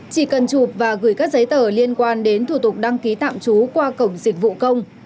chỉ cần chụp và gửi các giấy tờ liên quan đến thủ tục đăng ký tạm trú qua cổng dịch vụ công